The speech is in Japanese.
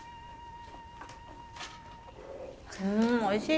うんおいしい。